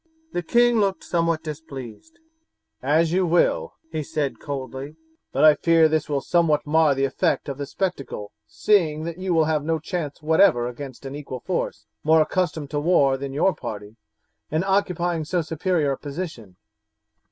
The king looked somewhat displeased. "As you will," he said coldly; "but I fear this will somewhat mar the effect of the spectacle seeing that you will have no chance whatever against an equal force, more accustomed to war than your party, and occupying so superior a position.